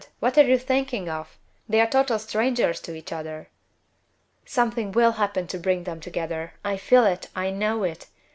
what are you thinking of? They are total strangers to each other." "Something will happen to bring them together. I feel it! I know it!